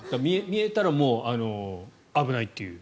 見えたらもう危ないという。